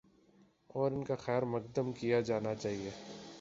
اور ان کا خیر مقدم کیا جانا چاہیے۔